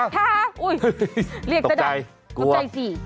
ฮะอุ๊ยตกใจ